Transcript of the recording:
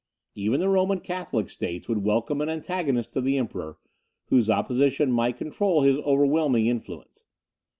Even the Roman Catholic states would welcome an antagonist to the Emperor, whose opposition might control his overwhelming influence.